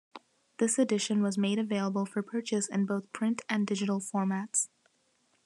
This edition was made available for purchase in both print and digital formats.